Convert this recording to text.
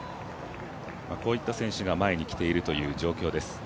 こういった選手が前に来ているという状況です。